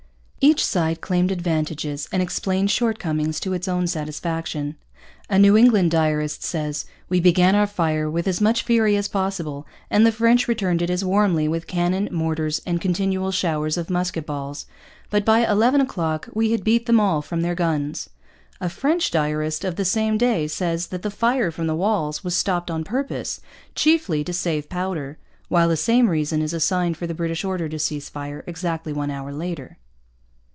Each side claimed advantages and explained shortcomings to its own satisfaction. A New England diarist says: 'We began our fire with as much fury as possible, and the French returned it as warmly with Cannon, Mortars, and continual showers of musket balls; but by 11 o'clock we had beat them all from their guns.' A French diarist of the same day says that the fire from the walls was stopped on purpose, chiefly to save powder; while the same reason is assigned for the British order to cease fire exactly one hour later.